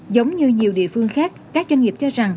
giống như nhiều địa phương khác các doanh nghiệp cho rằng